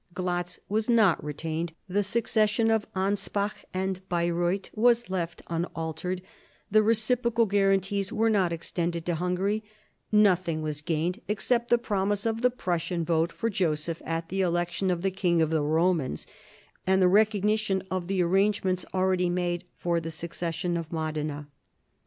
Glatz was not re tained, the succession of Anspach and Baireuth was left unaltered, the reciprocal guarantees were not extended to Hungary; nothing was gained except the promise of the Prussian vote for Joseph at the election of the King of the Bomans, and the recognition of the arrange ments already made for the succession of Modena.